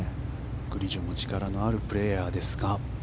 グリジョも力のあるプレーヤーですが。